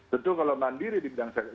tentu kalau mandiri di bidang kesehatan